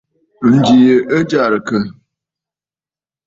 Ǹjì yì ɨ jɛrɨkə.